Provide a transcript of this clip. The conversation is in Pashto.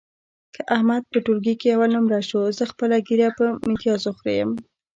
که احمد په ټولګي کې اول نمره شو، زه خپله ږیره په میتیازو خرېیم.